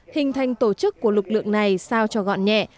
hình thành tổ chức của lực lượng này sao cho gọn nhẹ